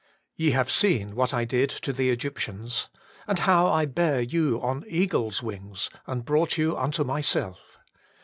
' Ye have seen what I did to the Egyptians, and how I bare yon on eagles' wings, and brought you unto myself.